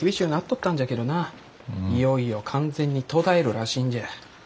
いよいよ完全に途絶えるらしいんじゃ。